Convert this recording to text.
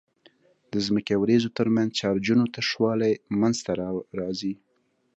د ځمکې او وريځو ترمنځ چارجونو تشوالی منځته راځي.